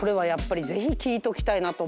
ぜひ聞いときたいなと。